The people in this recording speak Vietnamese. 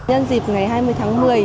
nhân dịp ngày hai mươi tháng một mươi